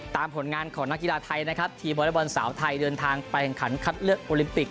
ผลงานของนักกีฬาไทยนะครับทีมวอเล็กบอลสาวไทยเดินทางไปแข่งขันคัดเลือกโอลิมปิก